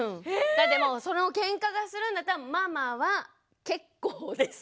だってもうそのケンカするんだったら「ママは結構です」